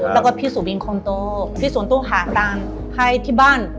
แล้วก็พี่สุบินคนโตพี่สวนตู้หาตังค์ให้ที่บ้าน